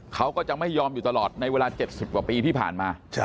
เขาก็จะไม่ยอมอยู่ตลอดในเวลา๗๐กว่าปีที่ผ่านมา